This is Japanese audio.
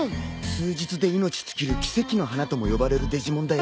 数日で命尽きる「奇跡の花」とも呼ばれるデジモンだよ。